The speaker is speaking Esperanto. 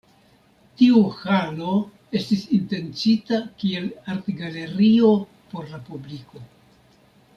Tiu Halo estis intencita kiel artgalerio por la publiko.